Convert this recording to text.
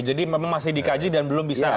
jadi memang masih dikaji dan belum bisa